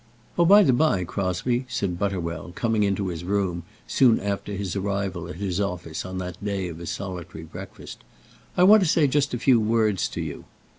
"Oh, by the by, Crosbie," said Butterwell, coming into his room, soon after his arrival at his office on that day of his solitary breakfast, "I want to say just a few words to you."